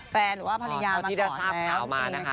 แฟนหรือว่าภรรยามาก่อนแล้ว